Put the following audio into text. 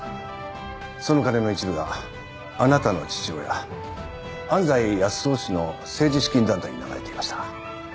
その金の一部があなたの父親安斎康雄氏の政治資金団体に流れていました。